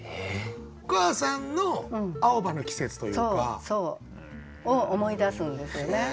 お母さんの青葉の季節というか。を思い出すんですよね。